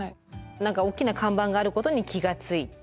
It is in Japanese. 何か大きな看板があることに気が付いて。